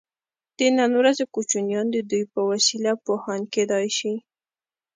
د نن ورځې کوچنیان د دوی په وسیله پوهان کیدای شي.